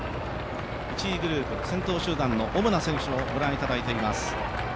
１位グループ、先頭集団の主な選手をご覧いただいています。